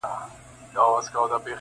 پر ذهن مي را اوري ستا ګلاب ګلاب یادونه,